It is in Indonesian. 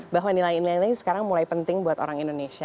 bahwa nilai nilai ini sekarang mulai penting buat orang indonesia